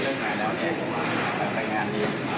เขาคงใช้เวลาหลังจากที่เราถ่ายแล้วได้บันไปงานนี้